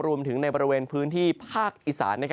รวมไปถึงในบริเวณพื้นที่ภาคอีสาน